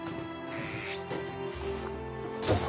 どうぞ。